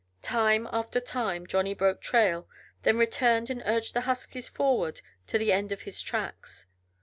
Time after time Johnny broke trail, then returned and urged the huskies forward to the end of his tracks.